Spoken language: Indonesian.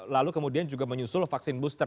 lalu kemudian juga menyusul vaksin booster